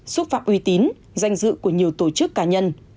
xúc phạm uy tín danh dự của nhiều tổ chức cá nhân